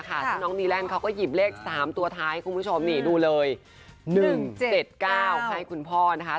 ทั้งสี่ทั้งซีทั้งสี่นึกว่าไอ้บ้าน